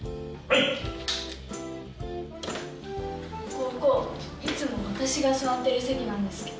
ここいつも私が座ってる席なんですけど。